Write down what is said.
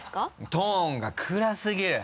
トーンが暗すぎる！